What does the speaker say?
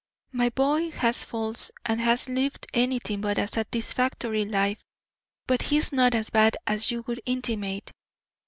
"My boy has faults and has lived anything but a satisfactory life, but he is not as bad as you would intimate.